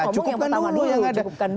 cukupkan dulu yang ada